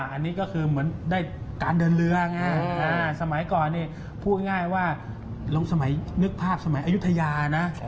อันนี้ก็คือเหมือนได้การเดินเรือไงสมัยก่อนพูดง่ายว่าลงสมัยนึกภาพสมัยอายุทยานะ